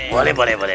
boleh boleh boleh